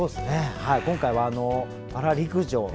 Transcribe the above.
今回はパラ陸上。